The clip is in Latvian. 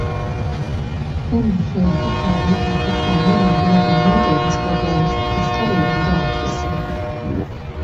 Tomēr tajā pašā laikā pastāv nenoliedzami nopietnas problēmas, kas arī ir jāatrisina.